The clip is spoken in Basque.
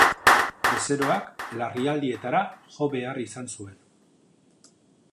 Bezeroak larrialdietara jo behar izan zuen.